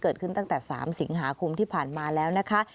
เกิดขึ้นตั้งแต่๓สิงหาคมที่ผ่านมาแล้วนะคะ